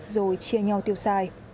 rồi chia nhau tiêu xài